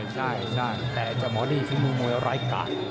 ใช่ใช่แต่จะมอดี้ฝีมือมวยไร้การ